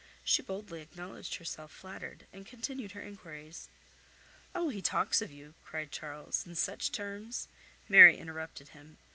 She boldly acknowledged herself flattered, and continued her enquiries. "Oh! he talks of you," cried Charles, "in such terms—" Mary interrupted him.